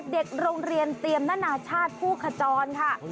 เด็กโรงเรียนเตรียมนานาชาติผู้ขจรค่ะ